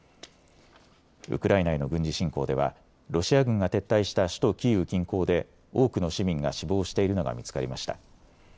ウクライナへの軍事侵攻ではロシア軍が撤退した首都キーウ近郊で多くの市民が死亡しているのが見つかりました。